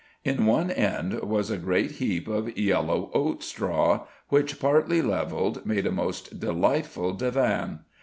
In one end was a great heap of yellow oat straw, which, partly levelled, made a most delightful divan.